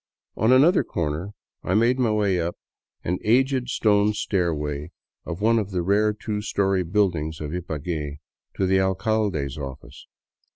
On another corner I made my way up an aged stone stairway of one of the rare two story buildings of Ibague to the alcalde's office.